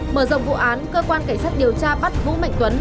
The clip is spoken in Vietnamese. mở rộng vụ án cơ quan cảnh sát điều tra bắt vũ mạnh tuấn